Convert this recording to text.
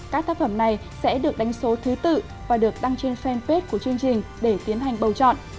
các tác phẩm này sẽ được đánh số thứ tự và được đăng trên fanpage của chương trình để tiến hành bầu chọn